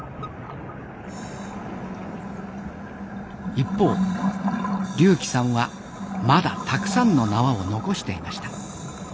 一方龍希さんはまだたくさんの縄を残していました。